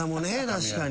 確かに。